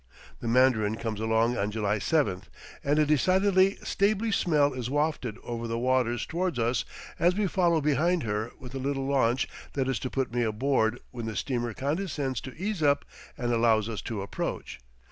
The Mandarin comes along on July 7th, and a decidedly stably smell is wafted over the waters toward us as we follow behind her with the little launch that is to put me aboard when the steamer condescends to ease up and allow us to approach.